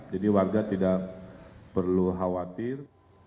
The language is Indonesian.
jadi warga tidak perlu khawatir